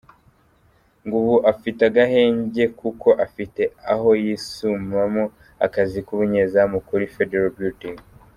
Ngo ubu afite agahenge kuko afite aho yisumamo akazi k’ubunyezamu kuri Federal Building.